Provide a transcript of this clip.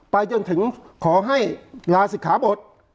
ไปจนถึงขอให้ลาศิกขาบท